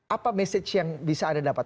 apa message yang bisa anda dapat